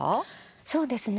そうですね。